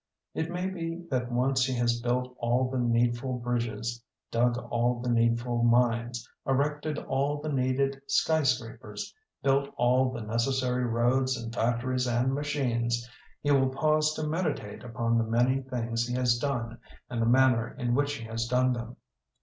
It may be that once he has built all the need ful bridges, dug all the needful mines, erected all the needed sky scrapers, built all the necessary roads and factories and machines, he will pause to meditate upon the many things he has done and the manner in which he has done them.